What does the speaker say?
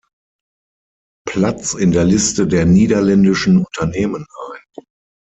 Platz in der Liste der niederländischen Unternehmen ein.